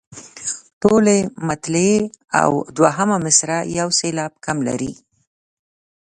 ټولې مطلعې او دوهمه مصرع یو سېلاب کم لري.